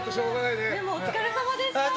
お疲れさまでした。